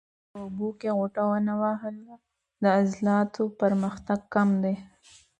که تاسو په اوبو کې غوټه ونه وهل، د عضلاتو پرمختګ کم دی.